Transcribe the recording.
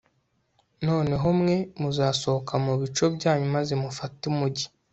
noneho mwe, muzasohoka mu bico byanyu maze mufate umugi